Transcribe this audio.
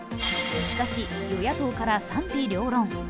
しかし、与野党から賛否両論。